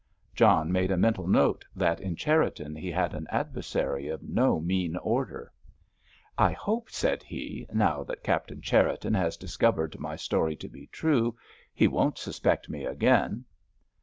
John made a mental note that in Cherriton he had an adversary of no mean order. "I hope," said he, "now that Captain Cherriton has discovered my story to be true, he won't suspect me again."